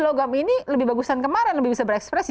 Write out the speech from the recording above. si logam ini lebih bagus dari tahun kemarin lebih bisa berekspresi